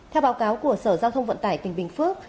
theo báo cáo của sở giao thông vận tải tỉnh bình phước